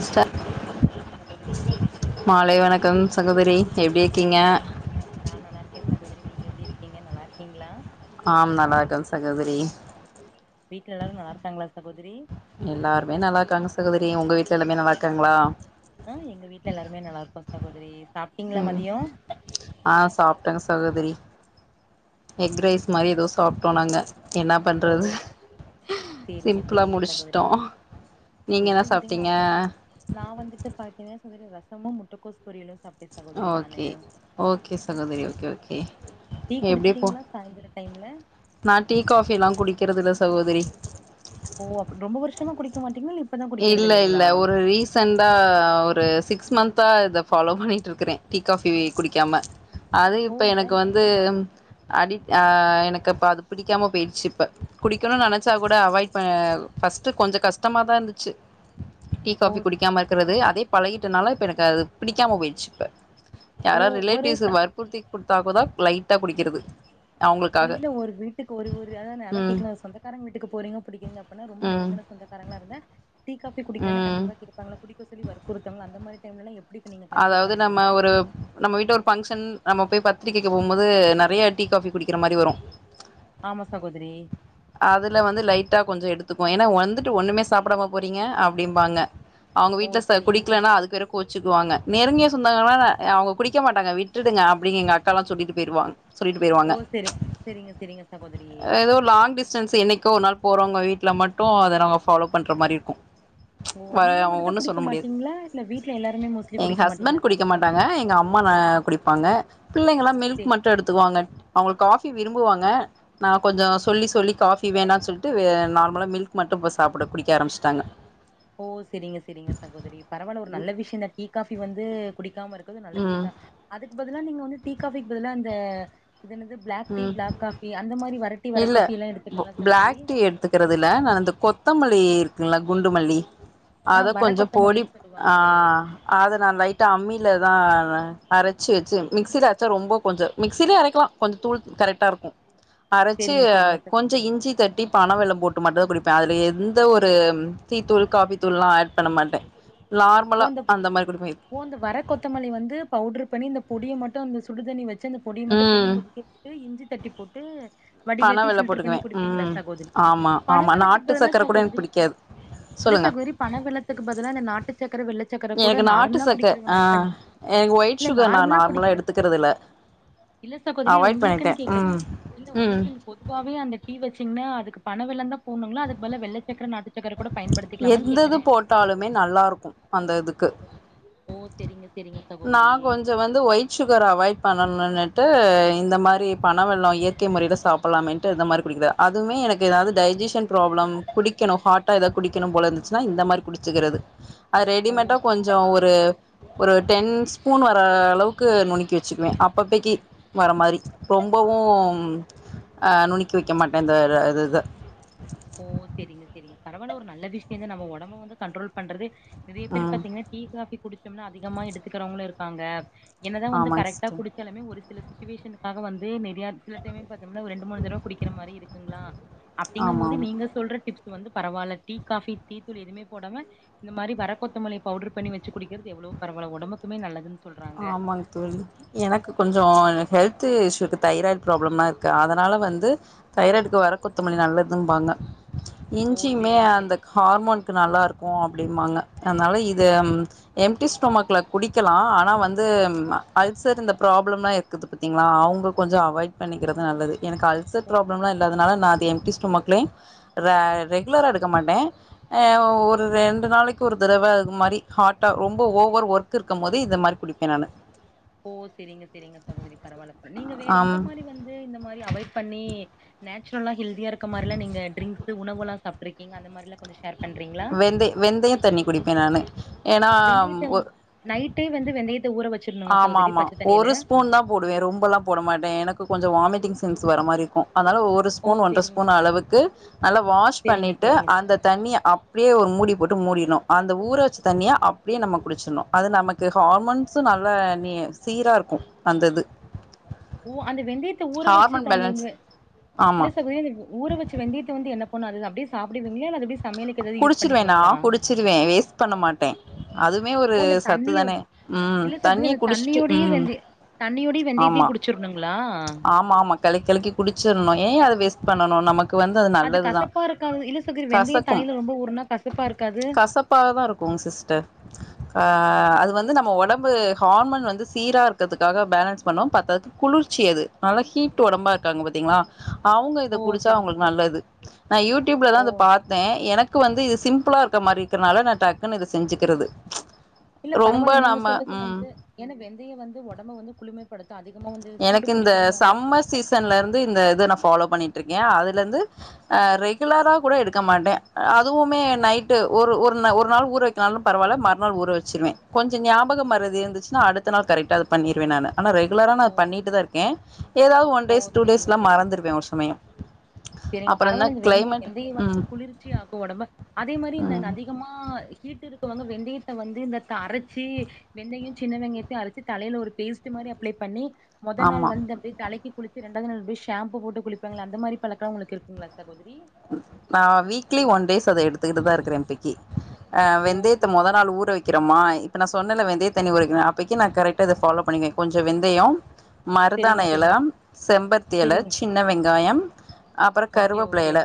ம் மாலை வணக்கம் சகோதரி மாலை வணக்கம் சகோதரி எப்டி இருக்கீங்க க்கீங்க நல்லா இருக்கீங்ளா ஆம் நல்லார்க்க சகோதரி வீட்ல எல்லாரு நல்லா இருக்காங்களா சகோதரி எல்லாருமே நல்லா இருக்காங்க சகோதரி உங்க வீட்ல எல்லாமே நல்லா இருக்காங்ளா ஆ எங்க வீட்ல எல்லாருமே நல்லா இருக்கோ சகோதரி சாப்ட்டீங்களா ம் மதியோ ஆ சாப்டங்க சகோதரி எக் ரைஸ் மாரி எதோ சாப்ட்டோ நாங்க இன்னா ஓ பண்றது சிம்ப்ளா முடிஷ்ட்டோ செரி விடுங்க அவளதா நா வந்துட்டு [unintelligible] சொல்லட்டு ரசமு முட்டக்கோஸ் பொரியலு சாப் ஓகே ஓகே சகோதரி ஓகே ஓகே டீ எப்டி போ குடிச்சிட்டீங்ளா சாய்ந்தரோ டைம்ல நா டீ காஃபியெலா குடிக்கிறது இல்ல சகோதரி ஓ அப் ரொம்ப வருஷமா குடிக்க மாட்டீங்கங்ளா இல்ல இப் இல்ல இல்ல ஒரு ரீசண்டா ஒரு சிக்ஸ் மந்த்தா இத ஃபாலோ பண்ணிட்ருக்கறே டீ காஃபி குடிக்காம அது ஓ இப்ப ஏ எனக்கு வந்து ம் அடி அ எனக்கு இப்ப அது பிடிக்காம போய்ட்ச்சு இப்ப குடிக்கனு நெனச்சா கூட அவாய் ப பஸ்ட்டு கொஞ் கொஞ்சோ கஷ்டமா தா இர்ந்துச்சு டீ ஓ காஃபி குடிக்காம இருக்கிறது அதே பழகிட்டனால இப்ப எனக் அது பிடிக்காம போய்ட்ச்சு இப்ப ஓ யாராவ்த் ஒரு ச ரிலேட்டிவ்ஸு வற்புறுத்தி குடுத்தாக்கூட லைட்டா குடிக்கிறது ஒ அவங்களுக்காக. இல்ல ஒரு வீட்டுக் ஒரு ஒரு அதா நா அதா ம். கேக்கலான் சொந்தக்காரங் வீட்டுக்கு போறீங்க பிடிக்கீங்க அப்பின்னா ரொம்ப ம். நெருங்கன சொந்த காரங்ளா இருந்த டீ காஃபி குடிக்க ம். கண்டிப்பா கேப்பாங்க குடிக்க சொல்லி வற்புறுத்வாங்ளா அந்த மாரி டைம்லல எப் அதாவது நம்ம ஒரு நம்ம வீட்ல ஒரு பங்க்ஷன் நம்ம போய் ப த்திரிக வெக்க போம்போது நறைய டீ காஃபி குடிக்கிற மாரி வரு ஆமா சகோதிரி அதுல வந்து லைட்டா கொஞ்சு எடுத்துப்போ ஏன்னா வந்துட்டு ஒண்ணுமே சாப்படாம போறீங்க அப்டிம்பாங்க அவுங்க ஓ வீட்டுல ச செரிங்க குடிக்லனா அதுக்கு வேற கோச்சுக்குவாங்க நெருங்கிய சொந்தகாரங்கன்னா அவுங்க குடிக்க மாட்டாங்க விட்டுடுங்க அப்டிங்கி எங்க அக்காலா சொல்லிட்டு போய்டுவாங் ஓ செரி செரிங்க செரிங்க சகோதரி ஏதோ லாங் டிஸ்டன்ஸ் என்னைக்கோ ஒரு நாள் போறவங்க வீட்டுல மட்டும் அதை நாங்க ஃப்பாலோ பண்ற மாதிரி இருக்கும் ஓ வ நீங்க அவங்க மட்டுந்தா ஒண்ணும் குடிக்க சொல்ல முடியாது மாட்டீங்களா இல்ல வீட்ல எல்லாருமே மோஸ்ட்லி எங்க குடிக்க ஹஸ்பண்ட் மாட்டீங்களா குடிக்க சகோதரி மாட்டாங்க எங்க அம் மா குடிப்பாங்க பிள்ளைங்களாம் சே மில்க் மட்டும் எடுத்துக்குவாங்க அவங்க காபி விரும்புவாங்க நான் கொஞ்சம் சே சொல்லி சொல்லி ஃடீ வேணாம்னு சொல்லிட்டு நார்மலா மில்க் மட்டும் இப்போ சாப்பிட குடிக்க ஆரம்பச்சுட்டாங்க ஓ செரிங்க செரிங்க சகோதரி பரவாயில்ல ஒரு நல்ல விஷயம் தான் டீ காபி வந்து குடி க்காம இருக்கது நல்ல ம் விஷயம் தான் அதுக்கு பதிலா நீங்க வந்து டீ காபிக்கு பதிலாம் அந்த இது என்னது பிளாக் டீ ம் பிளாக் காபி அந்த மாதிரி வரைட்டி இல்ல பிளாக் டீ எடுத்துக்கிறதுல நான் இந்த கொத்தம் மல்லி இருக்குங்களா குண்டுமல்லி ஆ அத வர கொஞ்சம் பொடி கொத்தமல்லின்னு சொல்லுவாங்களே ஆஹ் அத நான் லைட்டா அம்மிலதான் அரைச்சு வச்சு மிக்சியில அரச்சா ரொம்ப கொஞ்சம் மிக்சிலயே அரைக்கலாம் கொஞ்சம் தூள் கரெக்டா இருக்கும் அரைச்சு செரிங்க செரிங்க சகோதரி கொஞ்சம் இஞ்சி தட்டி பண வெல்லம் போட்டு மாட்டுதான் குடிப்பேன் அதுல எந்த ஒரு டீத்தூள் காபி தூள் எல்லாம் ஆட் பண்ண மாட்டேன் இந்த வர கொத்தமல்லி வந்து பவுடரு பண்ணி இந்த பொடியை மட்டும் அந்த சுடுதண்ணி வச்சு வச்சு அந்த பொடியை மட்டும் போட்டு ம் கொதிக்க விட்டுட்டு இஞ்சி தட்டி போட்டு வடிகட்டி பனவெல்லம் பில்டர் பண்ணி போட்டுக்குவே குடுப்பீங்களா ம் சகோதரி ஆமா பண ஆமா வெல்லத்துக்கு நாட்டு பதில்லா சக்கர கூட எனக்கு சகோதரி பிடிக்காது இல்ல சொல்லுங்க சகோதரி பண வெள்ளத்துக்கு பதிலாக இந்த நாட்டு சக்கர வெள்ளை சக்கர கூட எனக்கு நாட்டு நார்மலா சக்க குடிக்கிறவங்க ஆ ஆட் பண்ணி எனக்கு ஒயிட் இல்ல சுகர் நா நார்மலா குடிக்கிறேன் எடுத்துக்கிறது இல்ல இல்ல சகோதரி அவாய்ட் பண்ணிட்டே உங்களுக்குன்னு கேக்கல ம் இல்ல ம் உங்களுக்குன்னு பொதுவாவே அந்த டீ வச்சு பாத்தீங்னா அதுக்கு பண வெல்லம் தான் போணுங்களா அதுக்கு பதிலா வெள்ளை சக்கர நாட்டு சக் எந்தது போட்டாலுமே நல்லா இருக்கும் அந்த இதுக்கு ஓ செரிங்க செரிங்க சகோதரி நான் கொஞ்சம் வந்து ஒயிட் சுகர அவாய்ட் பண்ணணும்னுட்டு ட்டு இந்த மாதிரி பணவெல்லம் இயற்கை முறையில் சாப்பிடலாம் மாதிரி குடுக்கலா அதுமே எனக்கு டைஜின் சன் பிராபலம் குடிக்கனும் ஹாட்டா எதாவுது குடிக்கனு போல இருந்துச்சுனா இந்த மாரி குடுச்சுக்கரது அது ஓ ரெடிமேட்டா கொஞ்சம் ஒரு ஒரு டென் ஸ்பூன் வர அளவுக்கு நுணக்கி வச்சுக்குவேன் அப்பப்போக்கி வர மாதிரி ரொம்பவும் நுனக்கி வைக்க மாட்டேன் அந்த ஒரு இத ஓ செரிங்க செரிங்க பரவாயில்ல ஒரு நல்ல விஷயம்ந்த நம்ம உடம்ப வந்து கண்ட்ரோல் பண்றது இதே எப்டி ம் பாத்தீங்கன்னா டீ காபி குடிச்சோம்னா அதிகமா எடுத்துக்கிறவங்களும் இருக்காங்க என்னதான் வந்து ஆமாங்க கரெக்டா சிஸ்டர் குடிச்சாலுமே ஒரு சில சுச்சுவேஷனுக்காக வந்து சில டைமே ஒரு ரெண்டு மூணு தடவை குடிக்கிற மாதிரி இருக்குங்களா ஆமாம் அப்படிங்கது ஆமாம் சொல்ற டிப்ஸ் வந்து பரவால்ல டீ காபி டீ தூள் எதுவும போடாம இந்த மாதிரி வர கொத்தமல்லி பவுடர் பண்ணி வச்சு குடிக்கிறது எவ்வளோ பரவல உடம்பக்கும நல்லதுன்ன ஆமாங் தோழி எனக்கு கொஞ்சம் ஹெல்த் த்து இஷூக்கு தைராய்டு ப்ராப்ளம்லா இருக்கு அதனால வந்து தைராய்டுக்கு வர கொத்தமல்லி நல்லதுன்னுபாங்க ஓ! இஞ்சியுமே சரிங்க சரி. அந்த ஹார்மோனுக்குு நல்லா இருக்கும் அ ப்டிம்மாங்க அதனால இத எம்டிஸ்டோமக்ல குடிக்கலாம் ஆனா ஆனா வந்து அல்சர் இந்த ப்ராப்ளம்லாம் இருக்குது பார்த்தீங்களா அவங்க கொஞ்சம் அவாய்ட் பண்ணிக்கிறது நல்லது எனக்கு அல்சர் ஓ ப்ராப்ளம்லாம் இல்லா அதனால நான் அத எம்டி ஸ்டோமக்ளையும் ரெகுலரா எடுக்க மாட்டேன் ஒரு ரெண்டு நாளைக்கு ஒரு தடவை மாதிரி ஹாட்டா ரொம்ப ஓவர் ஒர்க் இருக்கும் போது இத மாதிரி குடிப்பேன் நானு ஓ செரிங்க செரிங்க சகோதரி பரவாயில்ல நீங்க வேற ஆம் எந்த மாதிரி வந்து இந்த மாதிரி அவாய்ட் பண்ணி நேச்சரல்ல ஹெல்தியா இருக்க மாரிலா ட்ரிங்க்ஸ் உணவு சாப்பிட்டுறிக்கீங்க அந்த மாதிரிலாம் வெந்தை வெந்தய தண்ணி குடிப்பேன் நானு ஏன்னா வெந்தயத்த ஒ நைட்டே வந்து வெந்தயத்த ஊற வச்சு ஆமா ஆமா ஒரு ஸ்பூன் தான் போடுவேன் ரொம்பெல்லாம் போட மாட்டேன் எனக்கு கொஞ்சம் வாமிட்டிங் சென்ஸ் வர மாரியிருக்கும் அதனால ஒரு ஓ ஸ்பூன் ஒன்றரை செரிங்க ஸ்பூன் அளவுக்கு நல்லா வாஷ் செரிங்க பண்ணிட்டு செரிங்க அந்த தண்ணியை அப்படியே ஒரு மூடி போட்டு மூடிணும் அந்த ஊற வச்சு தண்ணியா அப்படியே நம்ம குடிச்சறனும் அது நமக்கு ஹார்மோன்ஸ் த்து நல்லா நீ சீரா இருக்கு அந்த இது ஓ அந்த வெந்தயத்த ஊற வச்ச ஹார்மோன் பேலன்ஸ் தண்ணில இல்ல ஆமா சகு எனக் ஊற வச்ச வெந்தயத்த வந்து என்ன பொன் அதுதா அப்டியே சாப்டுவீங்களா இல்ல அப்டி குடிச்சிருவே நா குடிச்சிருவே வேஸ்ட் பண்ண மாட்டே அதுமே ஒரு ஓ அந்த சத்து தண்ணியோ தானே ம் தண்ணிய குடிச்சுட்டு ம் தண்ணியோட வெந்தயத்தையு ஆமா குடிச்சிருனுங்களா ஆமா ஆமா கலக்கி கலக்கி குடிச்சுர்ணு ஏ அத வேஸ்ட் பண்ணனு நமக்கு வந்து அது நல்லதுதா கசப்பா இருக்காது இல்ல சகோதரி வெந்தய கசக் கும் தண்ணில ரொம்ப ஊறுனா கசப்பா இருக்காது கசப்பாகதா இருக்கு சிஸ்டர் க ஆ அது வந்து நம்ம உடம்பு ஹார்மோன் வந்து சீரா இருக்கிறதுக்காக பேலன்ஸ் பண்ணோ பத்தாதுக்கு குளிர்ச்சி இது நல்லா ஹீட் உடம்பா இருக்காங்க பாத்தீங்களா அவங்க இத ஓ குடிச்சா செரிங்க அவங்களுக்கு செரி நல்லது நா யூடிப்ளதா ஓ இத பாத் எனக்கு வந்து இது சிம்பிளா இருக்க மாரி இருக்கிறனால நா டாக்குன்னு இத செஞ்சுக்கிறது டச் இல்ல பரவாயில்ல நீங்க சொல்றது வந்து ஏன்னா வெந்தய வந்து உடம்ப வந்து குளிமைப்படுத்து அதிக எனக்கு இந்த சம்மர் சீசன்ல இருந்து இந்த இது நா ஃபாலோ பண்ணி ருக்கே அதுல இருந்து ரெகுலராாக கூட எடுக்க மாட்டே அதுவுமே நைட்டு ஒரு ஒரு ஒரு நாள் ஊற வக்காலனாலு பரவால்ல மறுநள் ஊற வச்சிருவே கொஞ்சோ ஞாபகம் மறைதி இருச்சுனா அடுத்த நாள் கரெக்ட்ட பண் பண்ணிருவே நானு ஆனா ரெகுலரா ஓ பண்ணிட்டு தா இருக்கே ஏதாவது ஓ ஒன்டேஸ் செரிங்க டூடேஸ்ல செரிங்க மறந்துருவே ஒரு சமயம் செரிங்க அப்புறம் என்ன பரவாயில்ல இந்த வெங்கி கிளைமேட் வெந்தைய வந்து ம் குளிர்ச்சி ஆக்கு உடம்ப அதே மாரி இந்த ம் அதிகமா ஹீட் இருக் கவங்க வெந்தயத்த வந்து இந்த அரச்சி வெந்தயோ சின்ன வெங்கயத்தையு அரச்சி தலையில ஒரு பேஸ்ட்டு மாரி அப்ளே பண்ணி முத நாள் ஆமாம் வந்து அப்டே தலைக்கு குளிச்சு இண்டாவது நாள் அப்டியே ஷாம்பு போட்டு குளிப்பாங்க அந்த மாரி பழக் தோங்களுக்கு இருங்குங்களா சகோதரி நா வீக்லி ஒன் டேஸ் அத எடுத்துக்கிட்டு தா இருக்கிறே இப்பக்கி அஹ ஓ வெந்தயத்த செரிங்க மொத நாள் ஊற வக்கிறமா இப் இப்ப நா சொன்னேல வெந்தய தண்ணி ஊற வைக்கணு அப்பைக்கு நா கரெக்டா இத ஃபலோ பண்ணிக்குவே கொஞ்சோ வெந்தையோம் செரிங்க மருதாணி எல செரிங்க செம்பத்தி எல செரிங்க சின்ன வெங்காயம் அப்றோ ஓகே கருவேப்பில்ல ஓகே எல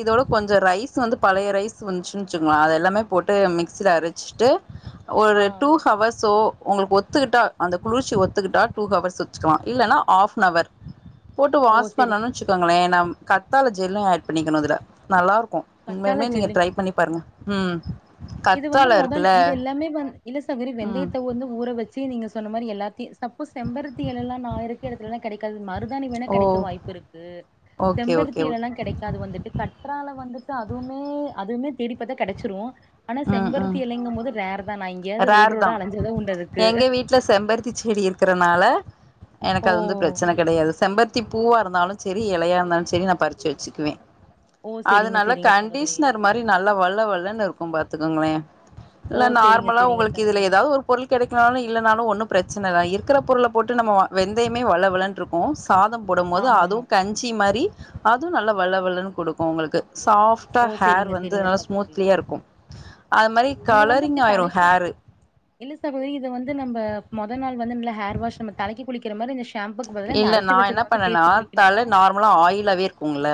இதோடு கொஞ்சோ ரைஸ் வந்து பழைய ரைஸ் வந்துச்சுன்னு வச்சுகோங்க அத எல்லாமே போட்டு மிக்சியில அரச்சுட்டு இ ஒரு ஆ டூஹவர்சோ உங்களுக்கு ஒத்துக்கிட்டா அந்த குளிர்ச்சி ஒத்துக்கிட்டா டூ ஹவர்ஸ் வச்சுக்கலா இல்லன்னா ஹஃப்னவர் போட்டு ஓ வாஷ் செரி பண்ணும்னு வச்சுக்கோங்களே நம் கத்தால ஜெல்லு ஆட் பண்ணிக்கணு இதுல நல்லா இருக் கு கத்தால உண்மைமேலுமே நீங்க ஜில்லு ட்ரை பண்ணி பாருங்க ம் இது வந்து கத்தாழ மொதன இருக்குல்ல இது எல்லாமே வந்து இல்ல சகோதரி ம் வெந்தயத்த வந்து ஊற வச்சு நீங்க சொன்ன மாரி எல்லாத்தியு தப்பு செம்பருத்தி எலெல்லா நா இருக்கு இடத்துல எல்லா கெடைாது மருதாணி வேணா ஓ கெடைக்க வாய்ப்பு இருக்கு ஓகே செம்பருத்தி ஓகே ஓகே எலல்லா கெடைக்காது வந்துட்டு கற்றால வந்துட்டு அதுவுமே அதுவுமே தேடிப் பாத்தா கெடச்சுரு ஆனா ம் செம்பருத்தி ம் இளைங்கும் போது ரேர்தா நா எங்கையாவது ரோடு ரேர் ரோடா தான் அலைஞ்சாத உண்டாதா அதுக்கு இப்டி இருக்கிறனால எனக்கு ஓ அது வந்து பிரச்சன கெடையாது செம்பருத்தி பூவா இருந்தாலு சேரி இலையா இருந்தாலு சேரி நா பறிச்சு வச்சுக்குவே ஓ அது செரிங்க நாள செரிங்க சகோதரி கண்டிஷனர் மாரி நல்லா வழ வாழணு இருக்கு பாத்துக்கோங்ளே ஓ இல்ல செரிங்க நார்மலா செரிங்க உங்களுக்கு இதுல சகோதரி ஏதாவது ஒரு பொருள் கெடைக்கனாலு இல்லைனாலு ஒண்ணு பிரச் சனதா இருக்கிற பொருள போட்டு நம்ம வா வெந்தயமே வழ வழன்ருக்கு சாதம் போடும் போது ஆமா ஆமா அதுவும் கஞ்சி மாரி அதுவு நல்லா வழ வழன்னு குடுக்கு உங்களுக்கு சாப்டா ஓ ஹேர் செரிங்க வந்து செரிங்க நல்லா சகோதரி ஸ்மூத்லியா இருக்கு அது மாரி இது வந்து அப்டி கலரிங் ஆயிரு தலக்குளிக் ஹேரு இல்ல சகோதரி இது வந்து நம்ம மொதல் நாள் இது வந்து நல்ல ஹேர்வாஷ் நம்ம தலைக்கி குளிக்கற மாரி இந்த ஷாம் இல்ல நா என்ன பண்ணேனா குளிக்கணுமா தல நார்மலா ஆயிலாவே இருக்கும்ள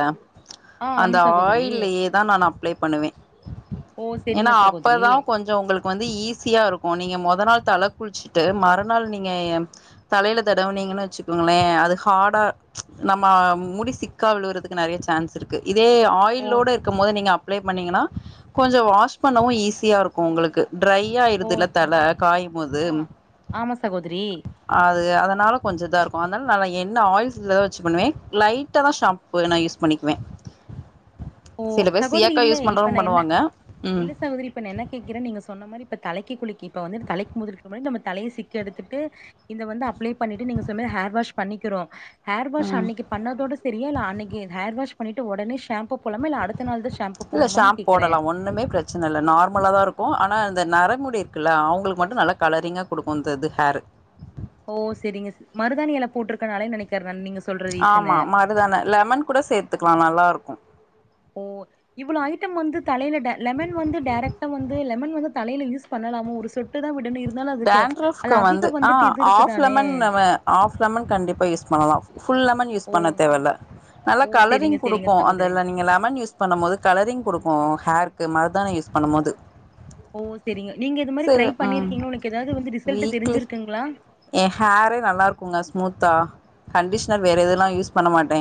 ஆ அந்த ஆமா சகோதரி ஆயில்லேயேதா நா அப்ளே பண்ணுவே ஓ ஏன்னா செரிங்க சகோதரி அப்பதா கொஞ்சோ உங்களுக்கு வந்து ஈஸியா இருக்கு நீங்க மொத் மொத நாள் தல குளிச்சுட்டு மறுநாள் நீங்க ஹ தலையில தடவுனீங்கன்னு வச் துங்குளே அது ஹார்டா நம்ம முடி சிக்கா விலுவுறதுக்கு நெறைய சேன்ஸ் இருக்கு இதே ஓ ஆயில்ளோடு இருக்கம் போது நீங்க அப்ளை பண்ணீங்கன்னா கொஞ்சோ வாஷ் பண்ணவு ஈஸியாருக்கோ உங்களுக்கு ஓ ட்ரையாயிருதுல தல செரி காயும்மோது ஆ ஆமா சகோதரி அது அதனால கொஞ்சோ இதாருக் கோ அதால நாலா என்ன ஆயில்ஸ்லதா வெச்சி பண்ணுவே லைட்டா தா ஷாம்பு நா யூஸ் பண்ணிக்குவே ஓ சில பேர் சகோதரி சியாக்கா இல்ல யூஸ் இப்ப பண்றவங்க நா என்ன பண்ணுவாங்க ம் இல்ல சகோதரி இப்ப நா என்ன கேக்குற நீங்க சொன்ன மாரி இப்ப தலைக்கி குலிக்கி இப்ப வந்து தலைக் முதலுக்கு முன்னடி நம்ம தலைய சிக்கெடுத்துட்டு இந்த வந்து அப்ளை பண்ணிட்டு நீங்க சொன்ன ஹேர் வாஷ் பண்ணிக்கிறோ ஹேர் வாஷ் ம் அன்னிக்கு பண்ணதோட செரியா அன்னிக்கு ஹேர் வாஷ் பண்ணிட்டு ஒடனே ஷேம்ப் இல்ல ஷாம்ப் போடலா ஒண்ணுமே ப்ரச்சனல்ல நார்மலாதாருக்கு ஆனா னா இந்த நரமுடி இருக்குல்ல அவுங்ளுக்கு மட்டு நல்லா கலரிங்கா குடுக்கு இந்த இது ஹேரு ஓ செரிங்க சி மருதானி எல போட்ருக்கனாலே நெனைக்கற் ஆமா மருதான லெமன் கூட சேத்துக்லா நல்லாருக்கு ஓ இவ்ளோ ஐட்டம் வந்து தலைல டே லெமன் வந்து டேரெக்ட்டா வந்து லெமன் வந்து தலைல யூஸ் பண்ண ணலாமோ ஒரு சொட்டு தா விடனு இருந் டேன்ட்ரஃப்க்கு வந்து அ ஆஃப் இருக்குதானே லெமன் ஆஃப் லெமன் கண்டிப்பா யூஸ் பண்ணலா ஃபுல் லெமன் யூஸ் ஓ பண்ண தேவல்ல நல்லா ஓ கலரிங் செரிங்க செரிங்க குடுக்கு அந்த சகோதரி ல நீங்க லெமன் யூஸ் பண்ணமோது கலரிங் குடுக்கு ஹேர்க்கு மரு மர்தானி யூஸ் பண்ணம்மோது ஓ செரிங்க நீங்க இது மாரி ட்ரை ம் பண்ணிருக்கிங்ளோ உனக்கெதுக் வீக்லி எ ஹேரே நல்லாருக்குங்க ஸ்மூத்தா அ கண்டிஷ்னர் வேற இதெல்லா யூஸ் பண்ண மாட்டே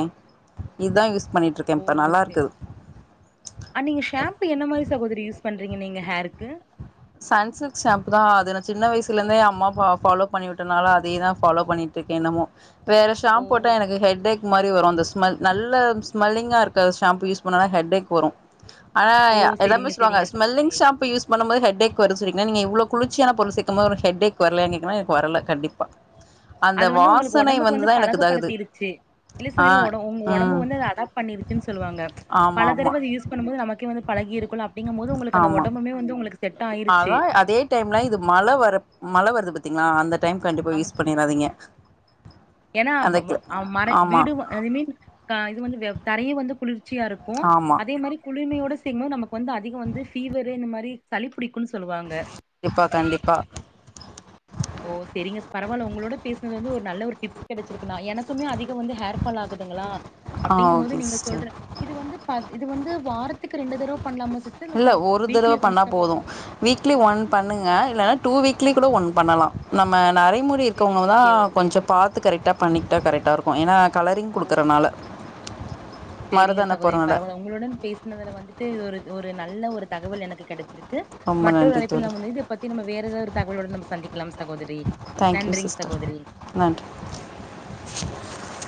இத்தா யூஸ்ப் ஓ சேர் அன்னிக்கு ஷேம்ப்பு என்ன மாரி சகோதிரி யூஸ் பண்றீ றிங்க நீங்க ஹேருக்கு சன்சில்க் ஷேம்பு தா அது நா சின்ன வய்ஸுலந்தே அம்மாப்பா ஃபாலோ பண்ணிவுட்டனால அதேதா ஃபாலோ பண்ணிட் ருக்கே என்னமோ வேற ஓ ஷேம்ப் போட்டா எனக்கு ஹெட்டேக் மாரி வரு அந்த ஸ் மல் நல்ல ஸ்மெல்லிங்காருக்க ஷேம்பு யூஸ் பண்ணனா ஹெட்டேக் வரு ஆனா ஓ எல்லாமே செரிங்க சொல்வாங்க செரிங்க ஸ்மெல்லி்ங் சகோதரி ஷேம்பு யூஸ் பண்ணும்போது ஹெட்டேக் வரு சொல்லிக்ன நீங்க இவ்ளோ குளுர்ச்சியானப் பொருள் சேக்கமோது ஹெட்டெக் வர்லயா கேக்ன எனக் வரல கண்டிப்பா அந்த அது வந்து உங்ளுக்கு வாசனை ஒடம்புக்கு வந்து வந்துதா எனக்கு இதாகுது பழகப்படுத்திருச்சி இல்ல ஆ சகோதரி ஊ ஒட உங்க ஒடம்பு ம் வந்து அத அடாப் பண்ணிருச்சின் சொல்லுவாங்க ஆமா பல ஆமா தடவ அத யூஸ் பண்ணும் போது நமக்கே வந்து பலக் கிருக்குல்ல அப்டிங்கும் போது உங்குளுக்கு அந்த ஆமா ஒடம்புமே வந்து உங்குளுக்கு அதா அதே டைம்லா இது மழ வரப் மழ வருது பாத்திங்ளா அந்தட் கண்டிப்பா யூஸ் பண்ணிறாதீங்க ஏனா ப ம அ மர ஆமா வீடு ஐ மீன் கா இது வந்து தரையே வந்து குளுர்ச் சியாக்கோ ஆமா அதே மாரி குளிர்மயோட செய்யும்போது நமக்கு வந்து அதிக வந்து ஃபீவரு இந்த மாரி சளிப் புடிக்குன் சொல்லுவாங்க கண்டிப்பா கண்டிப்பா ஓ செரிங்க ஸ் பரவால உங்ளோட பேஸ்னது வந்து ஒரு நல்ல ஒரு டிப்ஸ் கெடச்சிருக்குனா எனக்குமே அதிக் கோ வந்து ஹேர்ஃபால் ஆகுதுங்களா ஆ அப்டிங்கும் ஓகே மோது நீங்க சிஸ்டர் சொல்ற இது வந்து பாத் இது வந்து வாரத்துக்கு ரெண்டு தரவ இல்ல ஒரு தரவ பண்ணா போது பண்லா வீக்லி ஒன் பண்ணுங்க இல்லன்னா டூ வீக் லி குட ஒன் பண்ணலா நம்ம நரைமுடி செரி இருக்கவங்க தா ஓகே ஓகே கொஞ்சோ பாத்து கரெக்ட்டாப் பண்ணிக்ட்டா கரெக்டாருக்கு ஏன்னா கலரிங் குடுக்குறனால சேரிங்க மருதான சகோதரி போறனால பரவால்ல உங்களுடன் பேஸ்னதுல வந்துட்டு ஒரு ஒரு நல்ல ஒரு தகவல் எனக்கு கெடச்சிருக் கு ரொம்ப மற்றொரு நன்றி அழைப்பில் தோழி நம்ம வந்து இத பத்தி நம்ம வேற ஏதா ஒரு தகவலுடன் நம்ம சந்திக்லாம் சகோதிரி தேங்க்யூ சிஸ்டர் நன்றி [inaudible]